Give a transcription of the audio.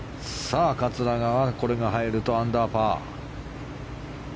桂川、これが入るとアンダーパー。